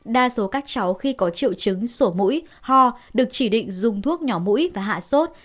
đa số các cháu khi có triệu chứng sổ mũi ho được chỉ định dùng thuốc nhỏ mũi và hạ sốt